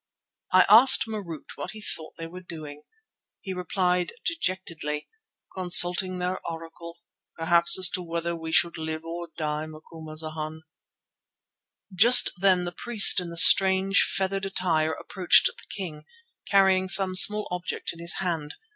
I asked Marût what he thought they were doing. He replied dejectedly: "Consulting their Oracle; perhaps as to whether we should live or die, Macumazana." Just then the priest in the strange, feathered attire approached the king, carrying some small object in his hand.